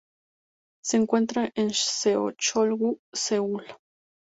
Se encuentra en Seocho-gu, Seúl.